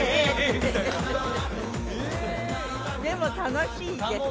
ってでも楽しいですね